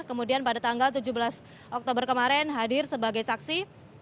kemudian pada tanggal tujuh belas oktober kemarin hadir sebagai saksi